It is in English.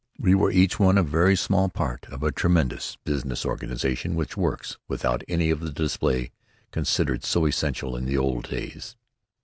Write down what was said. We were each one a very small part of a tremendous business organization which works without any of the display considered so essential in the old days.